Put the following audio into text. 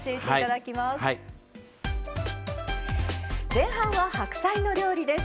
前半は白菜の料理です。